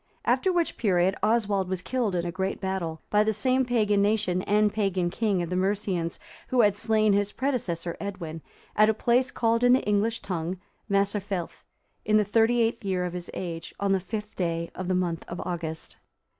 After which period, Oswald was killed in a great battle, by the same pagan nation and pagan king of the Mercians, who had slain his predecessor Edwin, at a place called in the English tongue Maserfelth,(340) in the thirty eighth year of his age, on the fifth day of the month of August.